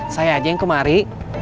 saya aja yang kemari